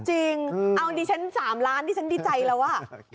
จริงเอาอันดีฉันสามล้านที่ฉันดีใจแล้วว่ะ